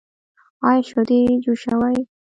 ایا شیدې جوشوئ؟